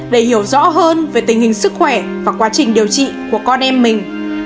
để hiểu rõ hơn về tình hình sức khỏe và quá trình điều trị của con em mình